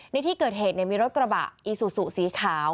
ในที่เกิดเหตุมีรถกระบะอีซูซูสีขาว